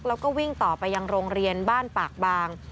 แล้วก็วิ่งต่อไปยังโรงเรียนบ้านปากบาง